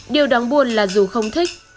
điều đáng buồn là dù không thích